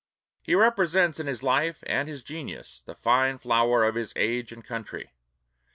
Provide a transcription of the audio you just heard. He represents in his life and his genius the fine flower of his age and country.